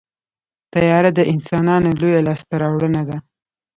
طیاره د انسانانو لویه لاسته راوړنه ده.